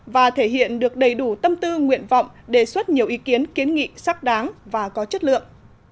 và thể hiện được đầy đủ tâm tư nguyện vọng đề xuất nhiều ý kiến kiến nghị sắc đáng và có chất lượng